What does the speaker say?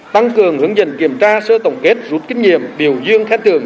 tăng cường hướng dành kiểm tra sơ tổng kết rút kinh nghiệm biểu dương khai trường